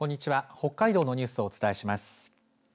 北海道のニュースをお伝えします。